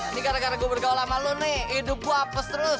ini gara gara gua bergaul sama lu nih hidup gua apes terus